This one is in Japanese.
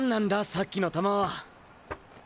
さっきの球は。